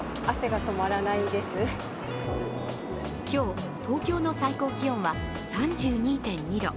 今日、東京の最高気温は３２．２度。